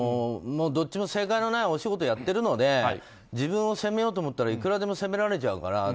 正解のないお仕事をやってるので自分を責めようと思ったらいくらでも責められちゃうから。